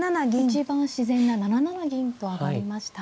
一番自然な７七銀と上がりました。